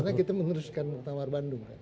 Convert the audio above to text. karena kita menguruskan tawar bandung